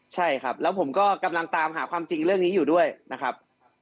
ใช่ครับแล้วผมก็กำลังตามหาความจริงเรื่องนี้อยู่ด้วยนะครับ